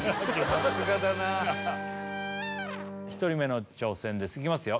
さすがだな１人目の挑戦ですいきますよ